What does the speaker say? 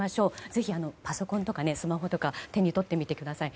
ぜひ、パソコンとかスマホとか手に取ってみてください。